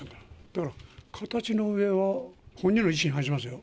だから形の上は本人の意思に反しますよ。